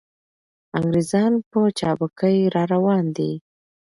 انګریزان په چابکۍ را روان دي.